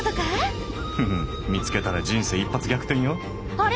あれ？